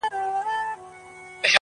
ته هم چا یې پر نزله باندي وهلی؟.!